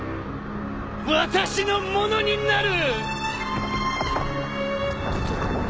私のものになる！